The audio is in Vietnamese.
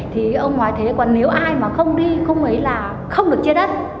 thì ông nói thế còn nếu ai mà không đi không ấy là không được chia đất